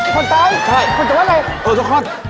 คนใต้คือจะว่าอะไรใช่